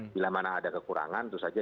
bila mana ada kekurangan itu saja